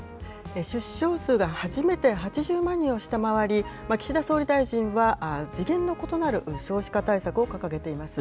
出生数が初めて８０万人を下回り、岸田総理大臣は次元の異なる少子化対策を掲げています。